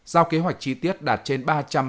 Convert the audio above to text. giao kế hoạch chi tiết đạt trên